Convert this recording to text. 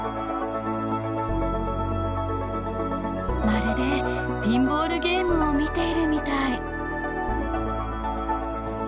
まるでピンボールゲームを見ているみたい。